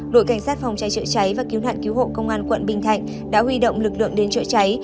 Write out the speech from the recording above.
đội cảnh sát phòng cháy trợ cháy và cứu hạn cứu hộ công an quận bình thạnh đã huy động lực lượng đến trợ cháy